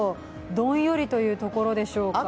どんよりというところでしょうか。